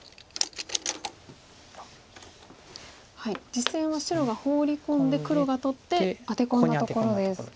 実戦は白がホウリ込んで黒が取ってアテ込んだところです。